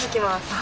あ。